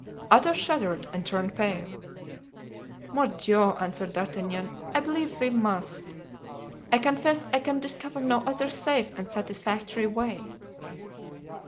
Athos shuddered and turned pale. "Mordioux!" answered D'Artagnan, "I believe we must. I confess I can discover no other safe and satisfactory way."